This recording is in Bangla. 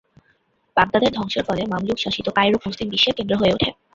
বাগদাদের ধ্বংসের ফলে মামলুক শাসিত কায়রো মুসলিম বিশ্বের কেন্দ্র হয়ে উঠে।